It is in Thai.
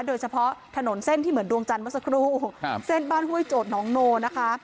โดยเฉพาะถนนเส้นที่เหมือนดวงจันทร์เมื่อสักครู่ครับเส้นบ้านห้วยโจทย์น้องโนนะคะ